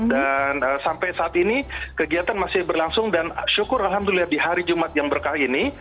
dan sampai saat ini kegiatan masih berlangsung dan syukur alhamdulillah di hari jumat yang berkah ini